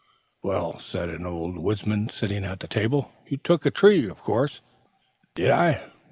"Well," said an old woodsman, sitting at the table, "you took a tree, of course." "Did I?